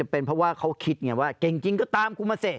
เป็นเพราะว่าเขาคิดไงว่าเก่งจริงก็ตามกูมาสิ